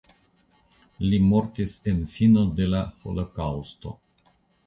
Li mortis en fino de la holokaŭsto.